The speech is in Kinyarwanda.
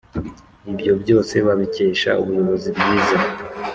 ibyo byose babikesha ubuyobozi bwiza